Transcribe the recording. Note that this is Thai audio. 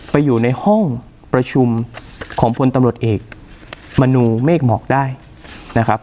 อยู่ในห้องประชุมของพลตำรวจเอกมนูเมฆหมอกได้นะครับ